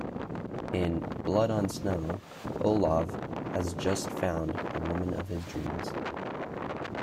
In "Blood on Snow", Olav has just found the woman of his dreams.